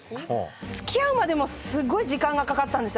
つきあうまでもすごい時間がかかったんですよ